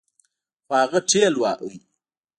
خو هغه ټېلوهه.